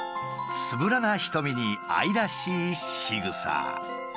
つぶらな瞳に愛らしいしぐさ。